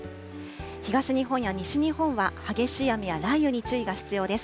東日本や西日本は激しい雨や雷雨に注意が必要です。